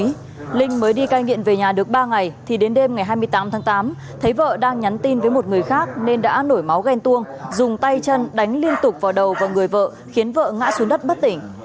trong khi linh mới đi cai nghiện về nhà được ba ngày thì đến đêm ngày hai mươi tám tháng tám thấy vợ đang nhắn tin với một người khác nên đã nổi máu ghen tuông dùng tay chân đánh liên tục vào đầu và người vợ khiến vợ ngã xuống đất bất tỉnh